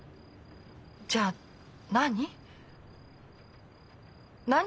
じゃあ何？